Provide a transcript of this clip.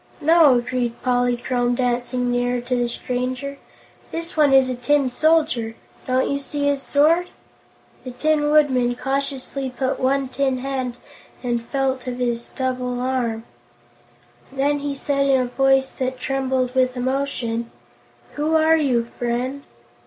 "No," agreed Polychrome, dancing nearer to the stranger, "this one is a Tin Soldier. Don't you see his sword?" The Tin Woodman cautiously put out one tin hand and felt of his double's arm. Then he said in a voice that trembled with emotion: "Who are you, friend?"